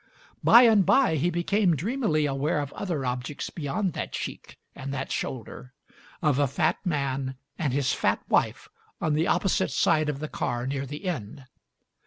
By and by he became dreamily aware of other objects beyond that cheek and that shoulder, of a fat man and his fat wife on the opposite side of the car near the end.